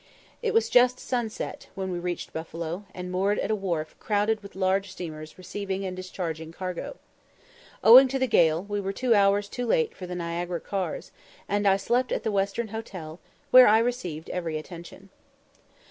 It was just sunset, when we reached Buffalo, and moored at a wharf crowded with large steamers receiving and discharging cargo. Owing to the gale, we were two hours too late for the Niagara cars, and I slept at the Western Hotel, where I received every attention.